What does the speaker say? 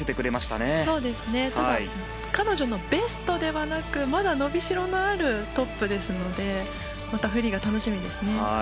ただ彼女のベストではなくまだ伸びしろのあるトップですのでまたフリーが楽しみですね。